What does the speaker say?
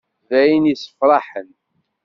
D ayen issefraḥen.